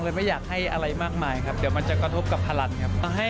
ไม่อยากให้อะไรมากมายครับเดี๋ยวมันจะกระทบกับพลังครับ